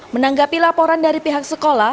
menanggapi laporan dari pihak sekolah